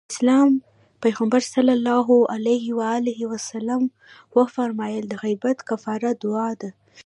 د اسلام پيغمبر ص وفرمايل د غيبت کفاره دعا ده.